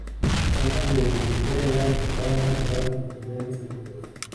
Las hojas de hileras catalanas derivan de modelos europeos.